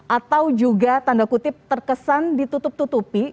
atau juga tanda kutip terkesan ditutup tutupi